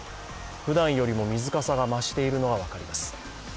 ふだんよりも水かさが増しているのが分かります。